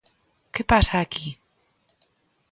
Que pasa aquí?!